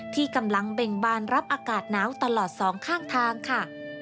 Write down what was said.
ที่กำลังเบ่งบานรับอากาศหนาวตลอดสองข้างทางค่ะ